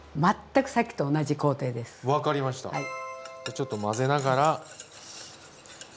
ちょっと混ぜながら。